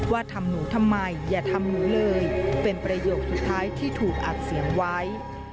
ทำหนูทำไมอย่าทำหนูเลยเป็นประโยคสุดท้ายที่ถูกอัดเสียงไว้